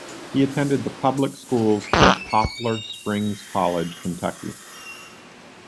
He attended the public schools and Poplar Springs College, Kentucky.